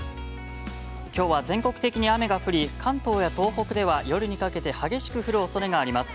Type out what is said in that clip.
きょうは全国的に雨が降り関東や東北では、夜にかけて、激しく降るおそれがあります。